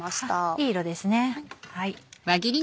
いい色ですね。